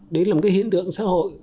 đấy là một cái hiện tượng xã hội